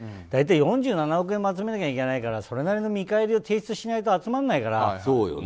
大体４７億円も集めなきゃいけないからそれなりの見返りを提出しないと集まらないから。